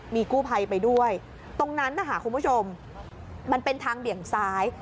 มีกู้ภัยไปด้วยตรงนั้นนะคะคุณผู้ชมมันเป็นทางเบี่ยงซ้าย